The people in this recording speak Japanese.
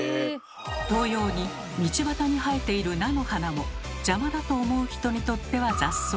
同様に道端に生えている菜の花も邪魔だと思う人にとっては雑草。